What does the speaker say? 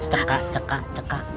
cekak cekak cekak